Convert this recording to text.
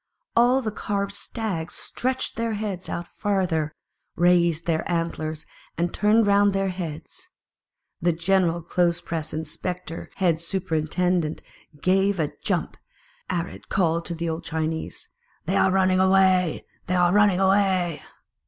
All the carved stags stretched their heads out farther, raised their antlers, and turned round their heads. The Gen 109 unit eral clothes press inspec tor head superinten dent gave a jump, arid called to the old Chinese, " They are running away! they are running away